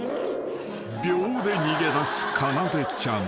［秒で逃げ出すかなでちゃん］